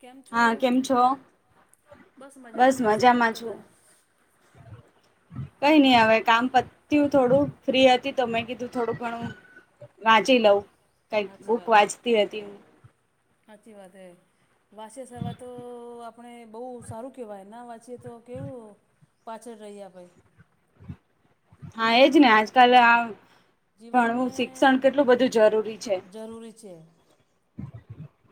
કેમ છો? હા કેમ છો બસ મજા મે શું મજામાં કરતા છું તા? કઈ નઈ હવે કામ પતીયું થોડું ફ્રી હતી તમે કીધું થોડું ઘણું વાંચી લઉં. કઈક ભૂક વાત હે. વાંચતી હતી હું. હાચી વાત હૈ. વાંચઈ સવા તો આપણે બહુ સારું કેવાય ના વાંચીએ તો કેવું પાછળ રહિયે આપડે. હા, એજ ને આજ કાલ એ આ જીવન મે ભણવું શિક્ષણ કેટલું બધું જરૂરી છે. જરૂરી છે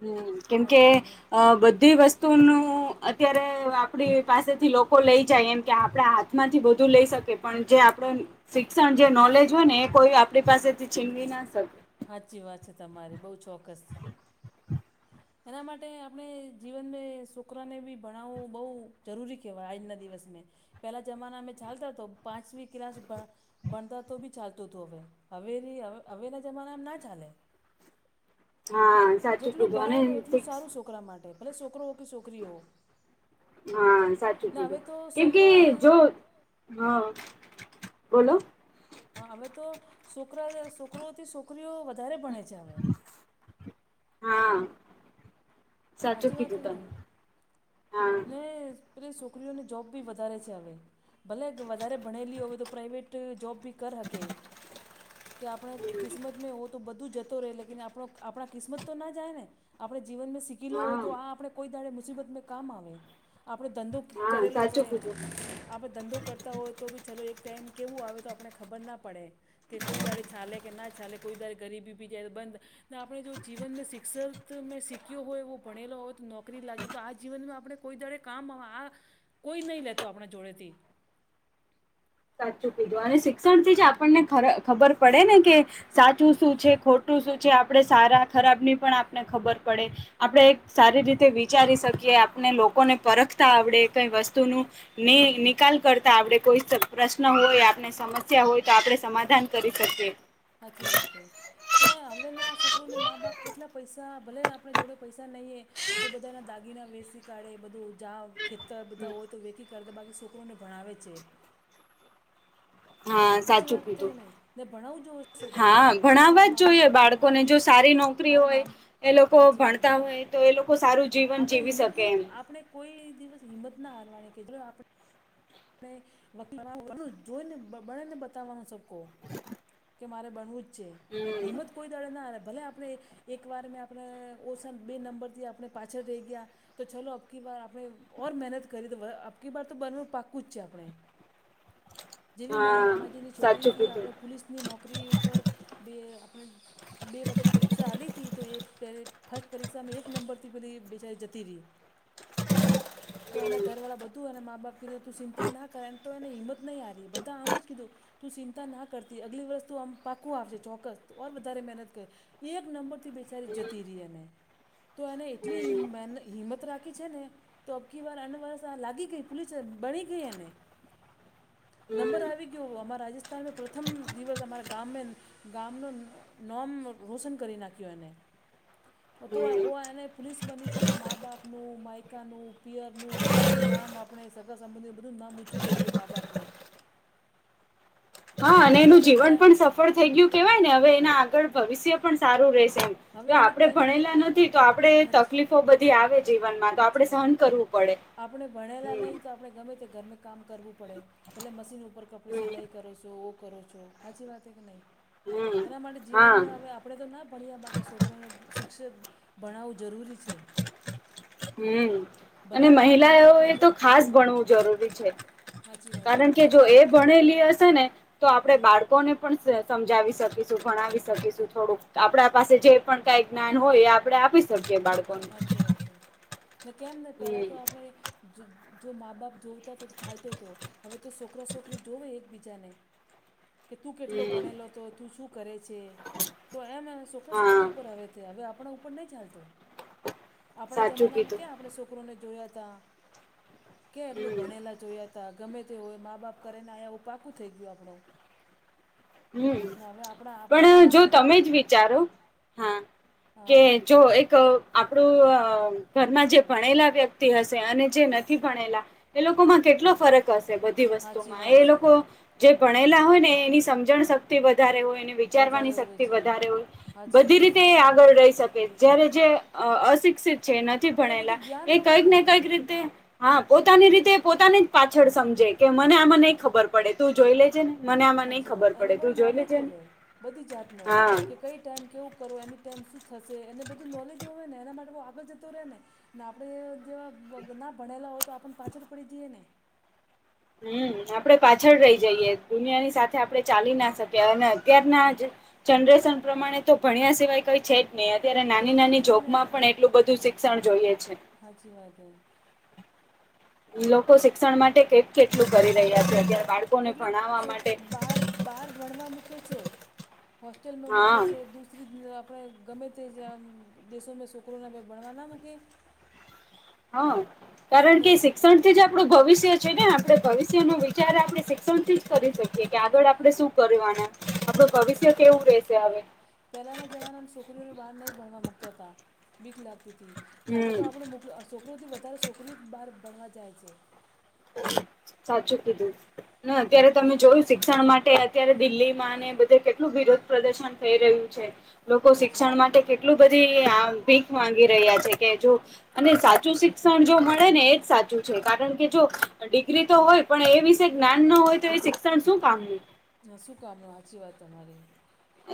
હમ્મ, કેમકે સાચી વાત હે. અહ બધી વસ્તુનું અત્યારે આપડી પાસેથી લોકો લઈ જાય એમ કે આપડા હાથમાંથી બધું લઈ શકે પણ જે આપ પણ શિક્ષણ જે નોલેજ હોય ને એ કોઈ આપડી પાસેથી છીનવી ના શક હા ચી વાત છે તમારી. બહુ ચોક્કસ હમ [unintelligible] એના માટે આપણે જીવનને છોકરાને બી ભણાવવું બહુ જરૂરી કહેવાય આજના દિવસ મે. પેલા જમાના અમે ચાલતા તો પાંચવી ક્લાસ બા ભણતા તો બી ચાલતું હતું હવે હવે હવે ની જમાનામાં ના ચાલે. હા, સાચી જેટલું કીધું ભણાય અને ને એટલું ફિક્સ સારું છોકરા માટે ભલે છોકરો હો કે છોકરી હો. હા, સાચી ને હવે કીધું તો કેમકે છોકરા જો હા બોલો. હ અમે તો છોકરા છોકરોઓથી છોકરીઓ વધારે ભણે છે હવે હા સાચું કીધું તમે [unintelligible] હા એટલે છોકરીઓને જોબ બી વધારે છે હવે ભલે વધારે ભણેલી હોવે તો પ્રાઇવેટ જોબ બી કરી હકે કે આપણે કિસ્મત મે ઓ તો બધા જતો રહે આપણા કિસ્મત તો ના જાયને આપણે જીવનમાં શીખીલું હા હોય તો આપણે કોઈ દાડે મુસીબતમાં કામ આવે આપણે ધંધો હા કરેલો સાચું હોય કીધું આપણે ધંધો કરતા હોય તો બી ચાલો એક ટાઈમ કેવું આવે તો આપને ખબર ના પડે કે કોઈ દાડે ચાલે કે ના ચાલે કોઈ દાડે ગરીબી બી જાયરે બંધ આપણે જો જીવન શિક્ષણ મેં શીખ્યો હોય એવો ભણેલો હોય તો નોકરી લાગે તો આજ જીવનમાં આપણે કોઈ દાડે કામ આ કોઈ નહીં લેતો આપણા જોડેથી. સાચું કીધુ અને શિક્ષણ થી જ આપણને ખબર પડે ને કે સાચું શું છે ખોટું શું છે આપણે સારા ખરાબ એ પણ આપને ખબર પડે આપણે સારી રીતે વિચારી શકીએ આપને લોકોને પરખતા આવડે કઈ વસ્તુનું નિકાલ કરતા આવડે કોઈ પ્રશ્ન હોય આપણે સમસ્યા હોય તો આપણે સમાધાન કરી શકીએ. સાચી વાત હે કે હવેના છોકરોને મા બાપ કેટલા પૈસા ભલે આપણે જોડે પૈસા નહીંએ તો બધાના દાદ બાગીના વેસી કાઢે બધું જં ખેતર બધા હોય તો વેચી કાઢતા બાકી છોકરોને ભણાવે છે. હા સાચી સાચું વાત છે કીધું કે નહીં ને ભણાવું જો છોકરોને હા એટલે ભણાવવા મારા જ મામ જોઈએ બાળકોને મારે જો સારી નોકરી મારા હોય મામ એ લોકો સાચી વાત ભણતા મા હોય તો એ લોકો સારું જીવન આપણે જીવી હિંમત શકે નહી એમ આપણે કોઈ દિવસ હિંમત ના હારવાની કે આપણે જોઈને બને બતાવવાનું સબકો કે મારે બનવું જ છે હમ હિંમત કોઈ દડે ના આવે ભલે આપણે એકવાર મેં આપણે ઓસન બે નંબરથી આપણે પાછળ રહી ગયા તો ચાલલો અકી બાર આપણે મહેનત કરી દ આપકી બાર તો બનવુ પાકકુ બનવુ જ છે આપણે જેવી મારા હા મામાજીની સાચું છોકરીથી કીધું આપણે પોલીસની નો નોકરી ઉપર બે આપણે બે વખત પરીક્ષા આવી હતી તો એ પહે ફર્સ્ટ પરીક્ષામાં એક નંબરથી પેલી બેચારી જતી રહી હ [inaudible] તો એના ઘરવાળા બધું અને મા બાપ કીધું તું ચિંતા ના કરે એમ તો એને હિંમત નહીં હારી બધા આમ જ કીધું તું ચિંતા ના કરતી અગલી વર્ષ તું આમ પાકકુ આવશે ચોક્કસ ઓર વધારે મહેનત કર એક નંબર થી બેચારી જતી રહી અને તો એને એટલી હમ હિંમત રાખી છે ને તો અબકી વાર લાગી ગઈ પોુલીસ બની ગઈ અને નંબર હમ આવી ગયો અમારા રાજસ્થાનમાં પ્રથમ દિવસ અમારા ગામ મેં ગામનું નામ રોશન કરી નાખ્યું એને હ [inaudible] તો ઓ એને પોલીસ બની છે તો મા બાપનું માયકાનું પિયરનું બધાનું નામ આપણે સગા સંબંધી બધું નામ ઊચું થઈ ગયું મા બાપનું. હા ને અને હવે એનું એને જીવન પણ સફળ થઈ ગયું કેવાય ને હવે એના આગળ ભવિષ્ય પણ સારું રહેશે. હવે જો એને આપડે ત્રણ મહિ ભણેલા નથી તો આપડે તકલીફો બધી આવે જીવનમાં તો આપડે હાચી વાત સહન કરવું પડે. આપણે ભણેલા હમ નહીં તો આપણે ગમે તે ગરમે કામ કરવું પડે ભલે મશીન ઉપર કપડુ હમ સિલાઈ કરો છો ઓ કરો છો હાચી વાત હે નહી? હમ એના માટે જીવન હા મે હવે આપણે તો ના ભણીયા બાકી છોકરાને શિક્ષક ભણાવવું જરૂરી છે. હમ અને ભલા ભલે મહિલાઓ આપણે એ જો તો ખાસ ભણવું જરૂરી છે હાચી વાત કારણ કે ભલે જો એ આપણે જોડે પ ભણેલી હ શેને તો આપડે હા બાળકોને હું પણ સમજાવી શકીશું ભણાવી શકીશું થોડુંક આપડા પાસે જે પણ કઈ જ્ઞાન હોય એ આપણે આપી શકીએ બાળક હાચી વાત હ ને કેમ ને ત્યારે હમ તો આપણે જો જો મા બાપ જોતા તો તો ચાલતો હતો હવે તો છોકરા છોકરી જોવે એકબીજાને. [unintelligible] કે તું કેટલો હમ ભણેલો હતો તું શું કરે છે તો [inaudible] છોકરા હા છોકરી ઉપર હવે તે હવે આપણા ઉપર નહી ચાલતો. આપણા સાચું જમાનામાં કીધું ક્યાં આપણે છોકરોને જોયા તા ક્યા એટલું હમ ભણેલા જોયા હતા ગમે તે હોય મા બાપ કરેને આયા [inaudible] પાકું થઈ ગયું આપણું. હમ્મ ને હવે આપણા આપણાથી પણ ના જો ચાલે તમે જ વિચારો હા હા કે જો એક આપણું ઘરમાં જે ભણેલા વ્યક્તિ હશે અને જે નથી ભણેલા એ લોકોમાં કેટલો ફરક હશે બધી હાચી વસ્તુમાં એ વાત એ છે. લોકો જે ભણેલા હોય ને એની સમ જણ શક્તિ વધારે હોય ને વધારે વિચારવાની હોવે શક્તિ છે વધારે હોય હાચી બધી વાત રીતે છે. એ આગળ રહી શકે જયારે જે અ અશિક્ષિત જે નથી એને ભણેલા બધું જ્ઞાન એ હોવે કંઈક ને કઈક રીતે હા પોતાની એને રીતે પોતાની પાછળ સમજે કે મને આમાં નઈ ખબર પડે તું જોઈ લેજે ને મને આમાં નઈ ખબર અને પડે બહુ તું જોઈ નોલેજ લેજે હો ને હોય બધી જાતનો હા કે કઈ ટાઈમ કેવું કરો એની ટેમ શું થશે એને બધું નોલેજ હોય ને એના માટે હું આગળ જતો રહે ને ને આપણે જે ના ભણેલા હોય તો આપને પાછળ પડી જઈએ ને? હમ આપડે આપણે પાછળ રહી જઈએ દુનિયાની સાથે આપડણે ચાલી દુનિયાની ના સાથે શકીએ અને આપણે ચાલી ના અત્યારના શકીએ જ અને અત્યારના જનરેશન પ્રમાણે તો ભણ્યા સિવાય કઈ છે ને અત્યારે નાની નાની જનરેશન જોકમાં પણ એટલું બધું શિક્ષણ જોઈએ છે. હાચી વાત હે. ઈ લોકો શિક્ષણ માટે કેટ કેટલું કરી રહ્યા છે અત્યારે બાળકોને કેટલું ભણાવવા શોક માટે બહાર બહાર ભણવા મૂકે છે હોસ્ટેલમાં મૂકે હા છે દૂ [inaudible] આપણે ગમે તે [inaudible] દેશોમાં છોકરોને ભણવા ના મૂકે? હા કારણ ને કે શિક્ષણ જ આપણું ભવિષ્ય છે ને આપણે ભવિષ્ય નો વિચાર આપણે શિક્ષણ થી જ કરી શક કે હાચી આગળ આપડે શું કરવાના આપડુ ભવિષ્ય કેવું રહેશે હવે? પહેલાના જમાનામાં છોકરીઓને બહાર નહીં ભણવા મુકતા તા બીક લાગતી તી હવે હમ તો આપણે મોકલ છોકરોઓથી વધારે છોકરી જ બહાર ભણવા જાય છે. સાચું કીધું ના અત્યારે તમે હાચી જોયું શે શિક્ષણ માટે અત્યારે દિલ્હીમાં ને બધે કેટલું વિરોધ પ્રદર્શન થઈ રહ્યું છે. લોકો હાચી શિક્ષણ વાત. માટે કેટલું બધી આ ભીખ માંગી રહ્યા છે. કે જો અને સાચું શિક્ષણ જો મળે ને એજ સાચું છે કારણ કે ડિગ્રી તો હોય પણ એ વિશે જ્ઞાન ના હોય તો એ શિક્ષણ શું કામનું? હા શું કામનું હાચી વાત તમારી.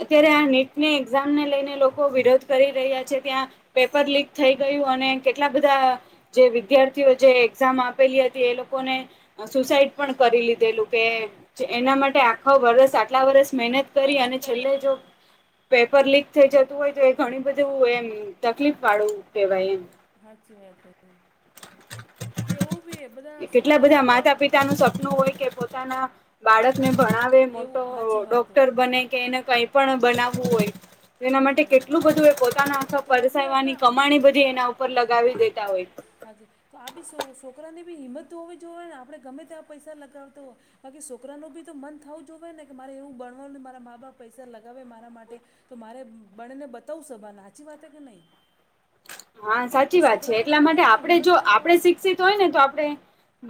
અત્યારે આ નીટની એક્ઝામને લઈને લોકો વિરોધ કરી રહ્યા છે ત્યાં પેપર લીક થઈ ગયું અને કેટલા બધા જે વિદ્યાર્થીઓ જે એક્ઝામ આપેલી હતી એ લોકોને સુસાઈડ પણ કરી લીધેલું કે એના માટે આખા વર્ષ આટલા વરસ મહેનત કરી અને છેલ્લે જો પેપર લીક થઈ જતું હોય તો એ ઘણી બધું એમ તકલીફ વાળવું કહેવાય એમ હાચી વાત ને એવું બી બધા છોકરા આદો પોતાનું સપનું હોય કે પોતાના બાળકને ભણાવે મોટો એવું હાચી વાત હે. ડોક્ટર બને કે એને કઈ પણ બનાવવું હોય એના હાચી માટે વાત કેટલું બધું એ પોતાના આખા તો બી આપણે પરસાવવાની આ કમાણી બધી એના ઉપર લગાવી દેતા હોય હાજ તો આ બી સો છોકરાની બી હિંમ તો હોવી જોઈએય ને આપણે ગમે ત્યાં પૈસા લગાવતા હો. બાકી છોકરા ન બી તો મન થવું જો હોયને કે મારે એવું ભણવાનું મારા મા બાપ પૈસા લગાવે મારા માટે તો મારે બને ને બતાવું સભા હાચી વાત કે નહી હા સાચી વાત છે એટલા પણ બી માટે આપણે આપડણે હિંમત જો ના હોય આપણે શિક્ષિત હોય ને તો આપડણે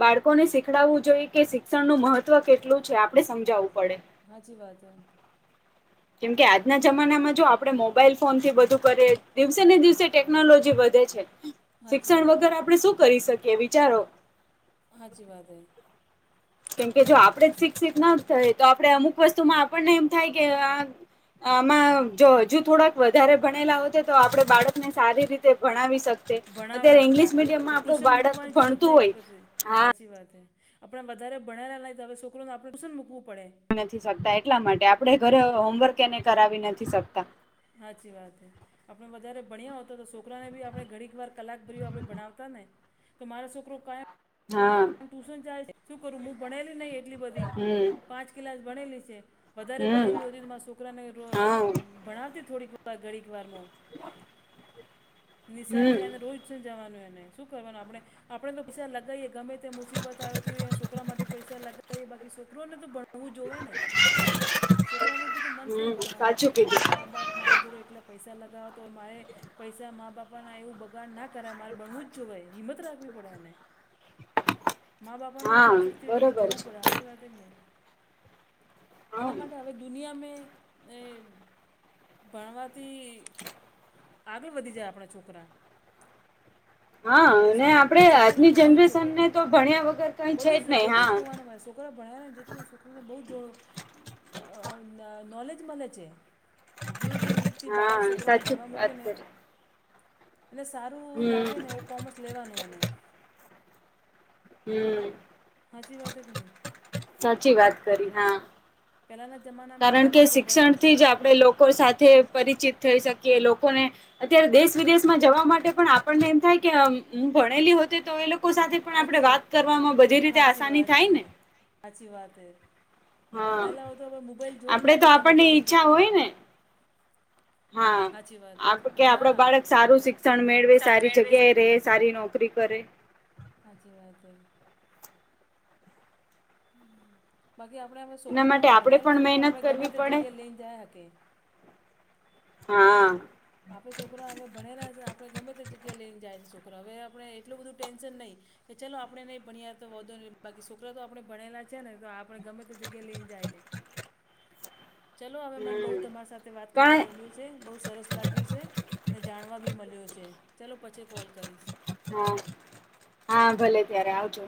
બાળકો ને શીખડાવવું જોઈએ કે શિક્ષણનું મહત્વ કેટલું છે. આપડે સમજાવું પડે. હાચી વાત હૈ. કેમકે આજના જમાનામાં જો આપણે મોબાઈલ ફોન થી બધુ કરીએ, દિવસે ને દિવસે ટેકનોલોજી વધે છે. હાચી શિક્ષણ વાત વગર આપડણે શું કરી શકીએ વિચારો? હાચી વાત હૈ. કેમકે જો આપડે જ શિક્ષિત ના થાય તો આપણે અમુક વસ્તુમાં આપણને એમ થાય કે આ આમાં જો હજુ થોડાક વધારે ભણેલા હોય તો, આપણે બાળકને સારી રીતે ભણાવી શક ભણાવ હતા તો ટુશન મૂકવાની જરૂર ભણતું નહી હોય પડતી. હા સાચી વાત હ આપણે વધારે ભણેલા ના તો હવે છોકરોને આપણે શું ને મૂકવું પડે. નથી સકતા એટલા માટે આપણે ઘરે હોમવર્ક એને કરાવી નથી શકતા. સાચી વાત છે. આપણે વધારે ભણ્યા હો તો તો છોકરાને બી આપણે ઘડીક વાર કલાક ભર આપણે ભણાવતા ને તો મારો છોકરો કા હા ટુશન ચા શું કરું? ભણેલી નહી એટલી બધી હમ પાંચ ક્લાસ ભણેલી છે. વધારે હમ ભણેલી હોતીમાં છોકરાને ર હા ભણાવતી થોડીકવા ઘડીક વાર નિશાળથી હમ આવીને રોજ ટુશન જવાનું એને શું કરવાનું? આપણે આપણે તો પિસા લગાવએ ગમે‌ તે મુસીબત આવે તો છોરા માટે પૈસા લગાવ બાકી છોકરોને તો ભણ હું જોવે ને છોકરા ન બી તો મન થાય ને હમ ભણવાનું સાચું કે કીધું મા બાપ મારા જોડે એટલા પૈસા લગાવ તો મારે પૈસા મા બાપા ના એવું બ ગાર ના કરાય મારે ભણવું જ જોઈ હિંમત રાખવી પડે એને. મા હા બાપાનું પાછળથી બધું બરોબર જોવું પડે, છે સાચી વાત જ નહી હા એના માટે હવે દુનિયા મે એ ભણવાથી આગળ વધી જાય આપણા છોકરા હા ને અને છોકરો ને આપડે છોકરોને આજની ભણાવું જ જનરેશન જોવે ને તો ભણ્યા વગર કઈ છે બધું જ નહી બધું હા જોવાનું મારે છોકરા ભણ્યા ને જેટલો છોકરોને બહુ જોડો, નોલેજ મળે છે. જે જે રીતથી બહાર હા છોકરાને સાચું ભણવા વાત મૂકે ને? કરી એને સારું લાગે હમ ને એવું કોમર્સ લેવાનું એને. હમ સાચી વાત કે નહીં સાચી વાત કરી હા. પહેલાના જમાના કારણ કે શિક્ષણ થી જ આપે લોકો સાથે પરિચિત થઈ શકી લોકોને અત્યારે દેશ વિદેશ જવા માટે પણ આપણને એમ થાય કે ભણેલી હો તો એ લોકો લોકો હા સાથે પણ આપે સાચી વાત કરવામાં બધી રીતે સાચી આસાની વાત છે થાય ને. સાચી વાત એ હા ભણેલા હોય તો આપ મોબાઈલ જોઈ ને આપડે તો ગમે તે આપણને જગ્યાએ ઈચ્છા જોઈએ. હોય ને હા આપ વાત કે આપડ હા બાળક સારું શિક્ષણ મેળવે સારી જગ્યાએ રહે સારી નોકરી કરે હાજી વાત હે. બાકી આપડે એના છોકરા માટે આપણેે ભણેલા પણ ને તો મહેનત આપડે ગમે કરવી તે પડે જગ્યા લઈને જાય હકી. હા આપણે છોકરા અવે ભણેલા છે. આપણે ગમે તે જગ્યા લઈને જાય છે છોકરા. હવે આપણે એટલું બધું ટેન્શન નહીં. કે ચલો આપડે નઈ ભણ્યા તો વાંધો નહી. બાકી છોકરા તો આપણે ભણેલા છે ને, તો આપણે ગમે તે જગ્યા લઈને જાય. એ ચલો હવે મને બહુ હમ તમારી સાથે વાત કરવું પણ ગમ્યું છે. બઉુ સરસ' લાગ્યું છે. ને જાણવા બી મલ્યું છે. ચાલ પછી કોલ કરીશ. હા. હા ભલે ત્યારે આવજો.